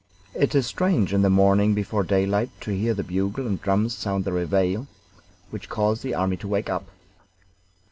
It is strange in the morning before daylight to hear the bugle and drums sound the reveille, which calls the army to wake up.